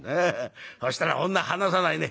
そしたら女離さないね。